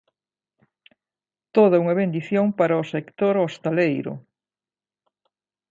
Toda unha bendición para o sector hostaleiro.